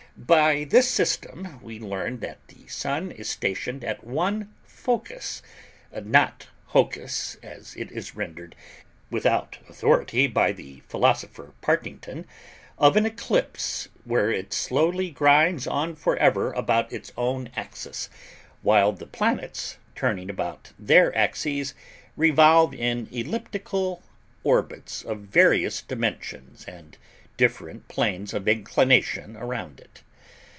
By this system we learn that the Sun is stationed at one focus (not hocus, as it is rendered, without authority by the philosopher Partington) of an ellipse, where it slowly grinds on for ever about its own axis, while the planets, turning about their axes, revolve in elliptical orbits of various dimensions and different planes of inclination around it.